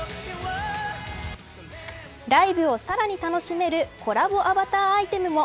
ライブをさらに楽しめるコラボアバターアイテムも。